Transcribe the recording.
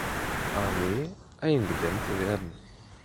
Armee eingedämmt werden.